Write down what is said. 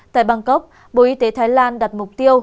tại bangkok bộ y tế thái lan đặt mục tiêu